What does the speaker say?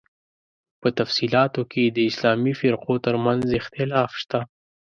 په تفصیلاتو کې یې د اسلامي فرقو تر منځ اختلاف شته.